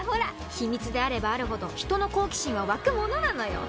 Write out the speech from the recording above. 秘密であればあるほど人の好奇心は湧くものなのよ。